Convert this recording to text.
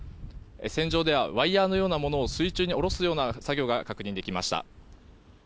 船上ではワイヤのようなものを水中に下ろすような作業が確認できました。